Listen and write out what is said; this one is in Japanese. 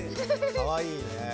かわいいね。